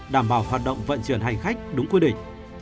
đảm bảo hoạt động vận chuyển hành khách đúng quy định